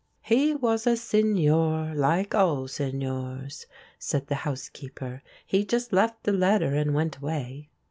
"He was a Signore, like all Signores," said the housekeeper; "he just left the letter and went away."